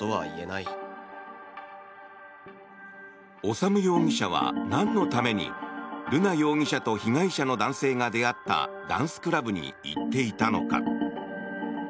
修容疑者はなんのために瑠奈容疑者と被害者の男性が出会ったダンスクラブに行っていたのか。